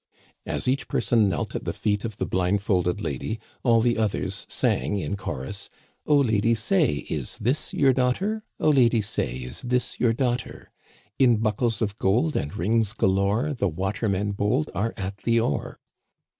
As each person knelt at the feet of the blindfolded lady, all the others sang in chorus : "Oh, lady, say, is this your daughter? Oh, lady, say, is this your daughter? Digitized by VjOOQIC THE FAMILY HEARTH, 267 In buckles of gold and rings galore, The watermen bold are at the oar."